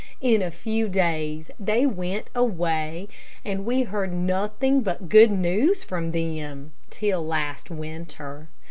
In a few days they went away, and we heard nothing but good news from them, till last winter.